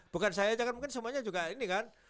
bukan saya cakap mungkin semuanya juga ini kan